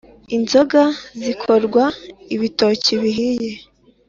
inzoga zikorwa ibitoki bihiye